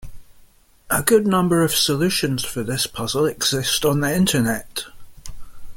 A good number of solutions for this puzzle exist on the Internet.